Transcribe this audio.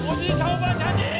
おばあちゃんに。